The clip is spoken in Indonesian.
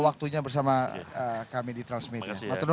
waktunya bersama kami di transmedia